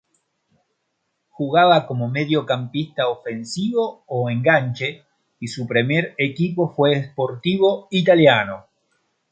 Jugaba como mediocampista ofensivo o enganche y su primer equipo fue Sportivo Italiano.